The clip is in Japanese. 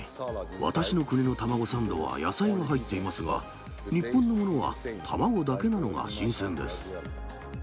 私の国の卵サンドは野菜が入っていますが、日本のものは卵だけなのが新鮮です。